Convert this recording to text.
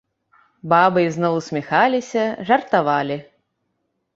Бабы ізноў усміхаліся, жартавалі.